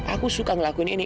aku suka ngelakuin ini